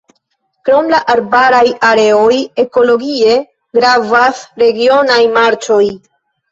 Krom la arbaraj areoj ekologie gravas regionaj marĉoj.